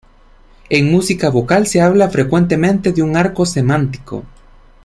En música vocal se habla frecuentemente de un arco semántico.